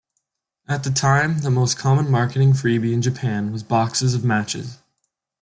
At the time, the most common marketing freebie in Japan was boxes of matches.